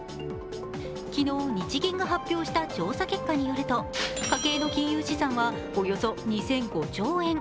昨日日銀が発表した調査結果によると家計の金融資産はおよそ２００５兆円。